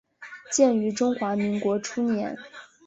建于中华民国初年。